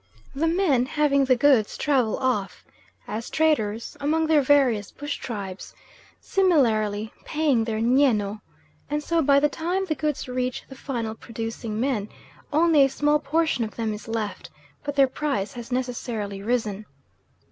the men having the goods travel off, as traders, among their various bush tribes, similarly paying their nyeno, and so by the time the goods reach the final producing men, only a small portion of them is left, but their price has necessarily risen.